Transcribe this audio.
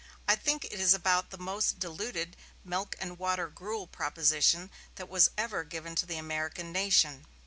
I think it is about the most diluted milk and water gruel proposition that was ever given to the American nation."